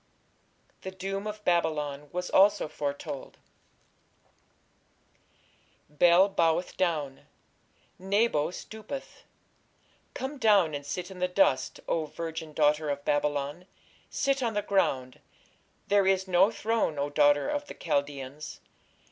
The doom of Babylon was also foretold: Bel boweth down, Nebo stoopeth.... Come down, and sit in the dust, O virgin daughter of Babylon, sit on the ground: there is no throne, O daughter of the Chaldeans....